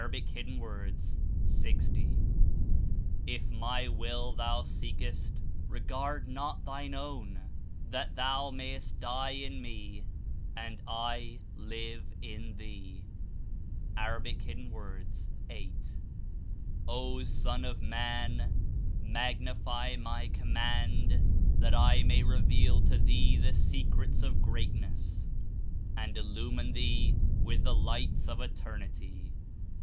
60.) ^^If my Will thou seekest, regard not thine ozvn, that thou mayest die in Me, and I live in thee." (A. 8.) '^O Son of Alan! Magnify my Command, that I may reveal to thee the secrets of Greatness and il lumine thee with the Lights of Eternity."